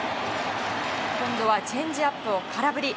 今度はチェンジアップを空振り。